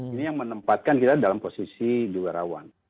ini yang menempatkan kita dalam posisi juarawan